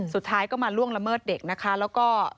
สุดท้ายก็มาล่วงละเมิดเด็กนะคะแล้วก็